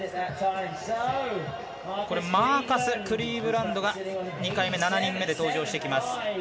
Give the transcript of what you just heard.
マーカス・クリーブランドが２回目、７人目で登場してきます。